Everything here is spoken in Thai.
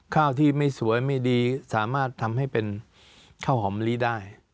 ข้าวที่ไม่สวยไม่ดีสามารถทำให้เป็นข้าวหอมลีได้